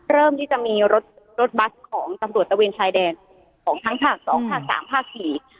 เริ่มที่จะมีรถรถบัสของตำรวจตะเวนชายแดนของทั้งภาคสองภาคสามภาคสี่